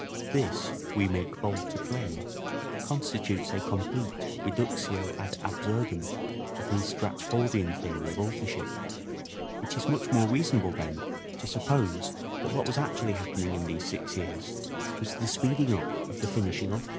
This, we make bold to claim, constitutes a complete reductio ad absurdum of the Stratfordian theory of authorship. A rational It is much more reasonable, then, to suppose that performance. wjiat was actually happening in these six years, was the speeding up of the finishing of!